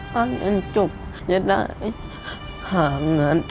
ถ้าอยากจุบจะได้หางานด้วย